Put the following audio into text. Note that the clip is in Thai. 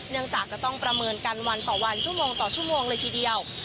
จากก็ต้องประเมินกันวันต่อวันชั่วโมงต่อชั่วโมงเลยทีเดียว